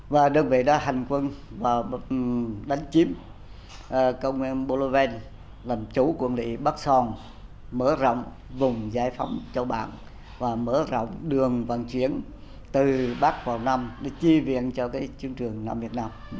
và đơn vị đã hành quân và đánh chiếm cầu nguyên bô lô vên làm chú quân lị bắc sơn mở rộng vùng giải phóng châu bản và mở rộng đường vận chuyển từ bắc vào nam để chi viện cho cái trường trường nam việt nam